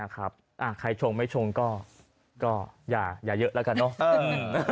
ใครชงไม่ชงก็อย่าเยอะแล้วกันเนอะ